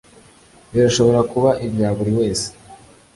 Birashobora kuba ibya buri wese